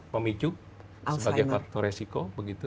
memicu sebagai faktor resiko